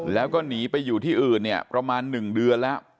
แล้วก็หนีไปอยู่ที่อื่นเนี่ยประมาณ๑เดือนแล้ว